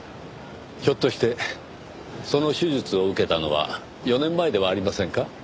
ひょっとしてその手術を受けたのは４年前ではありませんか？